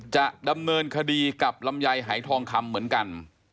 จะดำเนินคดีกับลำไยหายทองคำเหมือนกัน